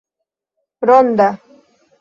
ronda